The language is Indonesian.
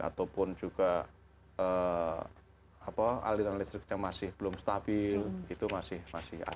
ataupun juga aliran listriknya masih belum stabil itu masih ada